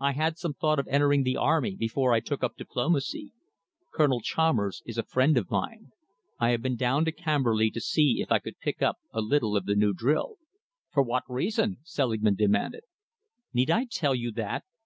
"I had some thought of entering the army before I took up diplomacy. Colonel Chalmers is a friend of mine. I have been down to Camberley to see if I could pick up a little of the new drill." "For what reason?" Selingman demanded. "Need I tell you that?"